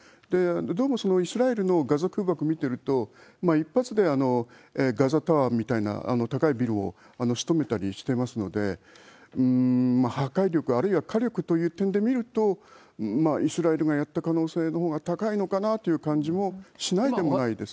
どうもイスラエルのガザ空爆を見てると、一発でガザタワーみたいな高いビルを仕留めたりしてますので、破壊力、あるいは火力という点で見ると、イスラエルがやった可能性のほうが高いのかなという感じもしないでもないですね。